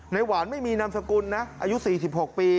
หวานไม่มีนามสกุลนะอายุ๔๖ปี